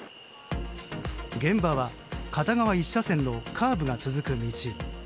現場は片側１車線のカーブが続く道。